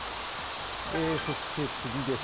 そして次です。